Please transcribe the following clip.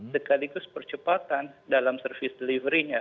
sekaligus percepatan dalam service delivery nya